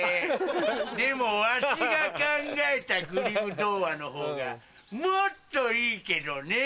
でもわしが考えたグリム童話のほうがもっといいけどね！